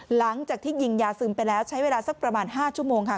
หลังจากที่ยิงยาซึมไปแล้วใช้เวลาสักประมาณ๕ชั่วโมงค่ะ